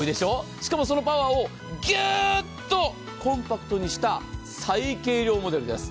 しかもそのパワーをぎゅーっとコンパクトにした最軽量モデルです。